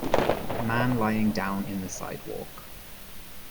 Man lying down in the sidewalk.